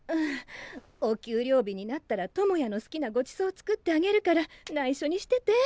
お給料日になったら智也の好きなごちそう作ってあげるからないしょにしてて。